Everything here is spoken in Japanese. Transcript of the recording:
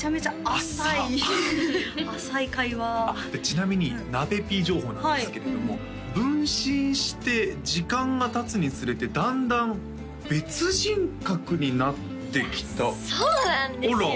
浅い会話ちなみになべＰ情報なんですけれども分身して時間がたつにつれてだんだん別人格になってきたそうなんですよ